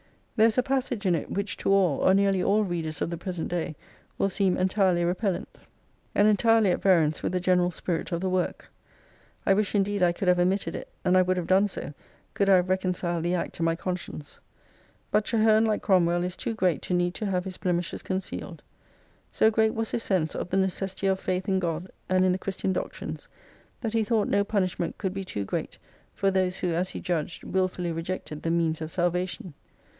There is a passage in it which to all — or nearly all — readers: of the present day will seem entirely repellent, and xxiii' entirely at variance with the general spirit of the work. I wish indeed I could have omitted it ; and I would have done so could I have reconciled the act to my conscience. But Traherne, Hke Cromwell, is too great to need to have his blemishes concealed. So great was his sense of the necessity of faith in God and in the Christian doctrines that he thought no punishment could be too great for those who, as he judged, wilfully rejected the means of salvation.